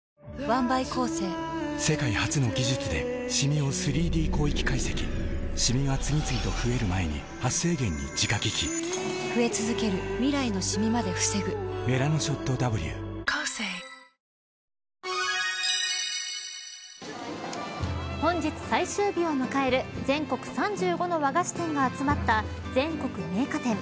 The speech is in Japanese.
世界初の技術でシミを３Ｄ広域解析シミが次々と増える前に「メラノショットＷ」本日最終日を迎える全国３５の和菓子店が集まった全国銘菓展。